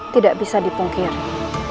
tidak bisa dipungkiri